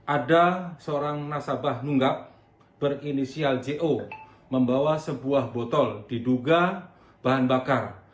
ada seorang nasabah nunggak berinisial jo membawa sebuah botol diduga bahan bakar